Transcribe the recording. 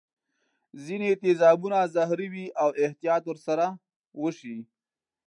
ځیني تیزابونه زهري وي او احتیاط ور سره وشي.